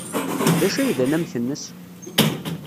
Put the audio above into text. D acu ay d anamek-nnes?